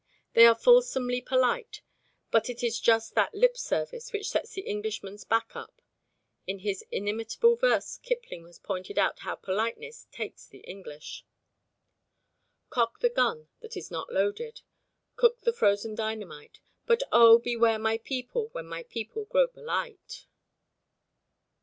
They are fulsomely polite, but it is just that lip service which sets the Englishman's back up. In his inimitable verse Kipling has pointed out how politeness "takes" the English. Cock the gun that is not loaded, Cook the frozen dynamite, But oh! beware my people, when my people grow polite.